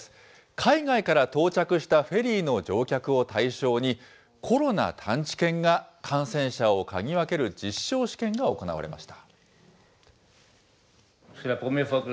海外から到着したフェリーの乗客を対象に、コロナ探知犬が感染者を嗅ぎ分ける実証試験が行われました。